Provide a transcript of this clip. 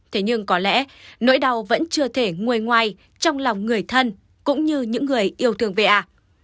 thế nhưng có lẽ nỗi đau vẫn chưa thể nguôi ngoài trong lòng người thân cũng như những người yêu thương va